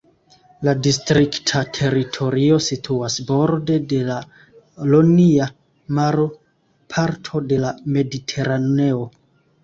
La distrikta teritorio situas borde de la Ionia Maro, parto de la Mediteraneo.